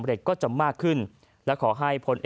พลเอกเปรยุจจันทร์โอชานายกรัฐมนตรีพลเอกเปรยุจจันทร์โอชานายกรัฐมนตรี